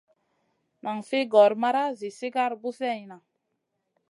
Nan fi gor mara zi sigar buseyna.